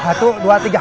satu dua tiga